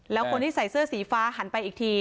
แล้วคนที่ใส่เสื้อสีฟ้าหันไปอีกที